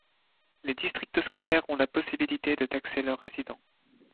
Les districts scolaires ont la possibilité de taxer leurs résidents.